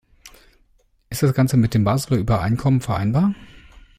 Ist das Ganze mit dem Baseler Übereinkommen vereinbar?